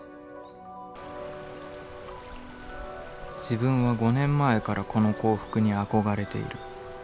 「自分は五年前からこの幸福に憧れている。